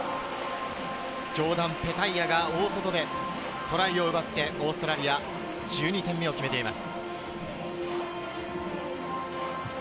ジョーダン・ペタイアが大外でトライを奪ってオーストラリア、１２点目を決めています。